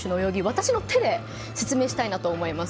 私の手で説明したいなと思います。